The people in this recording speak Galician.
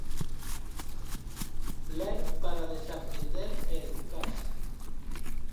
Ler para desaprender e educarse.